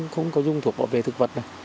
không có dung thuộc bảo vệ thực vật